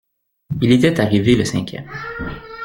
Il était arrivé le cinquième.